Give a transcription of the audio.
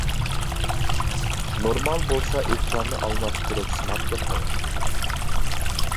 نورمال بولسا ئېكراننى ئالماشتۇرۇپ سىناپ بېقىڭ.